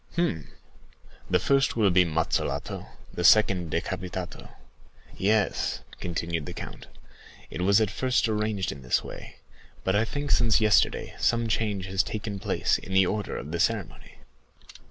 "Hum! 'The first will be mazzolato, the second decapitato.' Yes," continued the count, "it was at first arranged in this way; but I think since yesterday some change has taken place in the order of the ceremony."